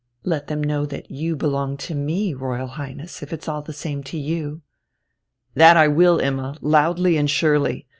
"Let them know that you belong to me, Royal Highness, if it's all the same to you." "That I will, Imma, loudly and surely.